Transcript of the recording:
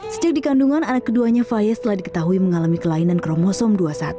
sejak dikandungan anak keduanya faye telah diketahui mengalami kelainan kromosom dua puluh satu